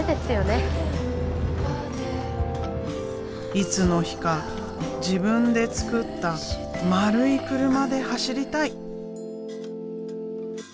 いつの日か自分で作った丸い車で走りたい！